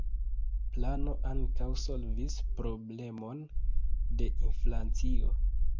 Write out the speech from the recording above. Plano ankaŭ solvis problemon de inflacio.